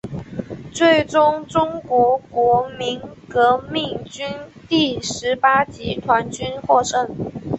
最终中国国民革命军第十八集团军获胜。